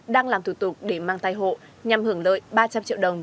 đang làm thủ tục để mang thai hộ nhằm hưởng lợi ba trăm linh triệu đồng